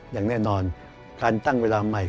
อย่างแน่นอนการตั้งเวลาใหม่